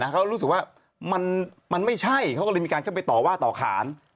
เขารู้สึกว่ามันไม่ใช่เขาก็เลยมีการเข้าไปต่อว่าต่อขาน